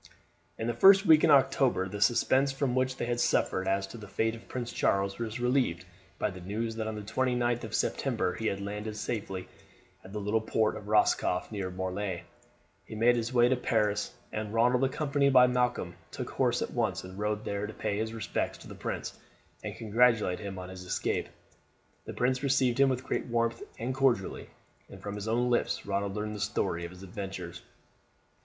'" In the first week in October the suspense from which they had suffered as to the fate of Prince Charles was relieved by the news that on the 29th of September he had safely landed at the little port of Roscoff near Morlaix. He made his way to Paris, and Ronald, accompanied by Malcolm, took horse at once and rode there to pay his respects to the prince, and congratulate him on his escape. The prince received him with great warmth and cordiality, and from his own lips Ronald learned the story of his adventures.